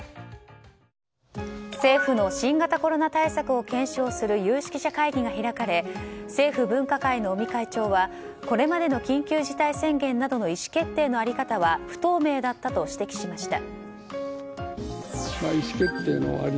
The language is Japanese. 政府の新型コロナ対策を検証する有識者会議が開かれ政府分科会の尾身会長はこれまでの緊急事態宣言などの意思決定のあり方は不透明だったと指摘しました。